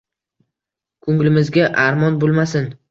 Kunglimizga armon bulmasin